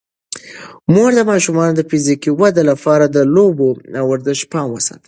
مور د ماشومانو د فزیکي ودې لپاره د لوبو او ورزش پام ساتي.